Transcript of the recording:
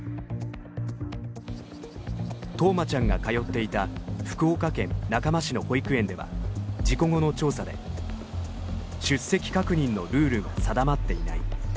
冬生ちゃんが通っていた福岡県中間市の保育園では事故後の調査で出席確認のルールが定まっていない。